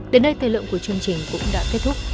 đến đây thời lượng của chương trình cũng đã kết thúc